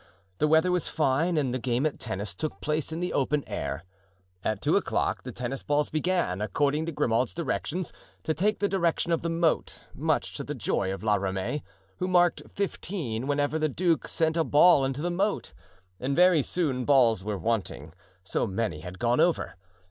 The weather was fine and the game at tennis took place in the open air. At two o'clock the tennis balls began, according to Grimaud's directions, to take the direction of the moat, much to the joy of La Ramee, who marked fifteen whenever the duke sent a ball into the moat; and very soon balls were wanting, so many had gone over.